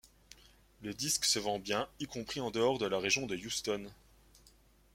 Le disque se vend bien, y compris en dehors de la région de Houston.